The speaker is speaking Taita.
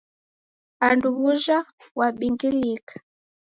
Ado w'uja wabingilika?